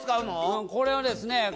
これはですね